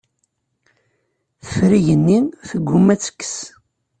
Teffer igenni, tegguma ad tekkes.